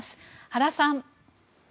原さん。